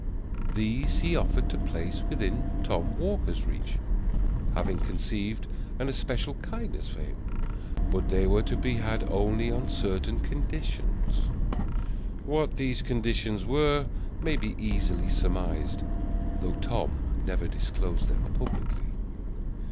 These he offered to place within Tom Walker's reach, having conceived an especial kindness for him; but they were to be had only on certain conditions. What these conditions were may be easily surmised, though Tom never disclosed them publicly.